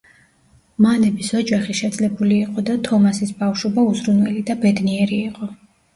მანების ოჯახი შეძლებული იყო და თომასის ბავშვობა უზრუნველი და ბედნიერი იყო.